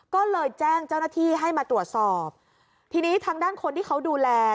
ก็เลยแจ้งเจ้าหน้าที่ให้มาตรวจสอบทีนี้ทางด้านคนที่เขาดูแล